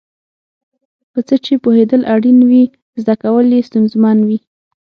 په څه چې پوهېدل اړین وي زده کول یې ستونزمن وي.